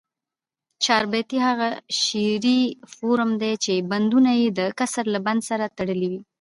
چاربیتې هغه شعري فورم دي، چي بندونه ئې دکسر له بند سره تړلي وي.